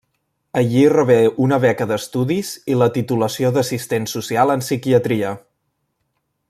Allí rebé una beca d’estudis i la titulació d’assistent social en psiquiatria.